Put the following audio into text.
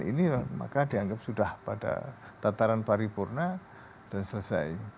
ini maka dianggap sudah pada tataran paripurna dan selesai